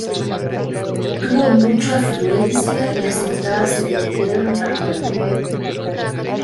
Tuvo mucho afluencia y las entradas se vendieron rápidamente.